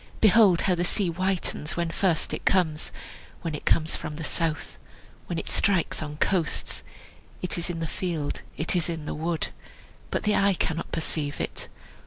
Behold how the sea whitens When first it comes, When it comes from the south, When it strikes on coasts It is in the field, it is in the wood, But the eye cannot perceive it.